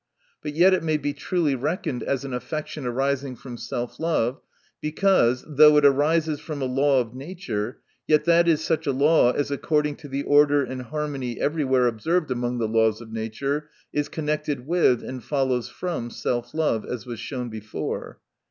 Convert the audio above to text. But yet it may be truly reckoned as an affection arising from self. love j because, though it arises from a law of nature, yet that is such a law as 292* THE NATURE 6F VIRTUE. according to the order and harmony everywhere observed among the laws of nature, is connected with, and follows from self love, as was shown before.